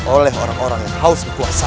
oleh orang orang yang haus dikuasai